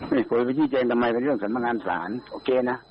ไม่ชี้แจงทำไมเป็นเรื่องสำมังอันสารโอเคนะ